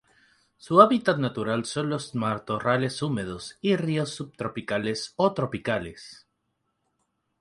Su hábitat natural son los matorrales húmedos y ríos subtropicales o tropicales.